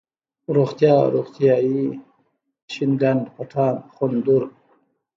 روغتيا، روغتیایي ،شين ډنډ، پټان ، خوندور،